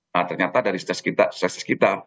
nah ternyata dari stress kita stress stress kita